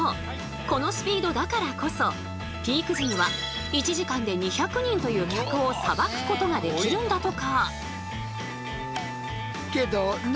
このスピードだからこそピーク時には１時間で２００人という客をさばくことができるんだとか！